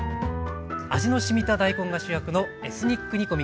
味のしみた大根が主役のエスニック煮込み。